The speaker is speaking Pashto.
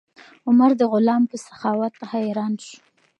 عمر د غلام په سخاوت حیران شو.